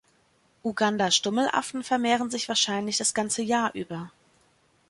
Uganda-Stummelaffen vermehren sich wahrscheinlich das ganze Jahr über.